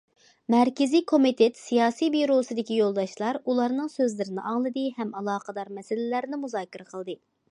مەركىزىي كومىتېت سىياسىي بىيۇروسىدىكى يولداشلار ئۇلارنىڭ سۆزلىرىنى ئاڭلىدى ھەم ئالاقىدار مەسىلىلەرنى مۇزاكىرە قىلدى.